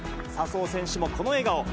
笹生選手もこの笑顔。